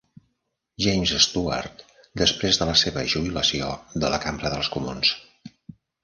James Stuart després de la seva jubilació de la Cambra dels Comuns.